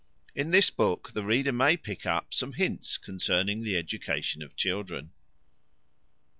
IN THIS BOOK THE READER MAY PICK UP SOME HINTS CONCERNING THE EDUCATION OF CHILDREN.